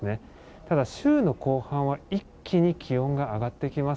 ただ、週の後半は一気に気温が上がってきます。